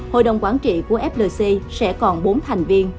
hội đồng quản trị của flc sẽ còn bốn thành viên